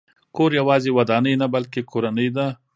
کور یوازې ودانۍ نه، بلکې کورنۍ ده.